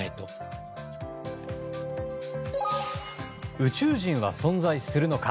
宇宙人は存在するのか。